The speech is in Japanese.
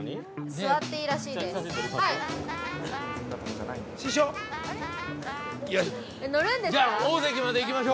◆座っていいらしいでーす。